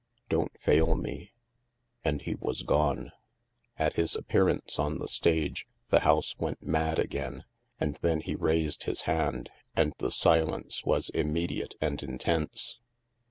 Don't fail me." And he was gone. At his appearance on the stage, the house went mad again; and then he raised his hand, and the silence was immediate and intense.